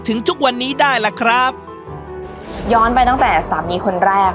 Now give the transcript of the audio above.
ทุกวันนี้ได้ล่ะครับย้อนไปตั้งแต่สามีคนแรก